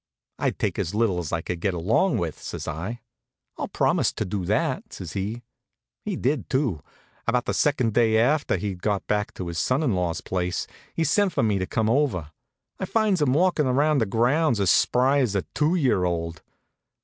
"I'd take as little as I could get along with," says I. "I'll promise to do that," says he. He did, too. About the second day after he'd gone back to his son in law's place, he sends for me to come over. I finds him walkin' around the grounds as spry as a two year old.